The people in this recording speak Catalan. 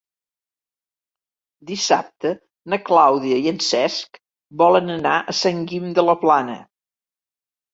Dissabte na Clàudia i en Cesc volen anar a Sant Guim de la Plana.